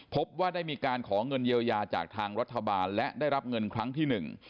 พบว่าได้มีการขอเงินเยียวยาจากทางรัฐบาลและได้รับเงินครั้งที่หนึ่ง